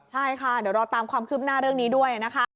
ใช่ค่ะเดี๋ยวรอตามความคืบหน้าเรื่องนี้ด้วยนะคะ